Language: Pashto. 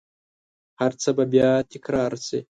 هرڅه به بیا تکرارشي